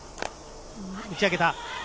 打ち上げた。